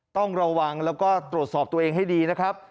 ต้องระวังแล้วก็ตรวจสอบตัวเองให้ดีนะครับ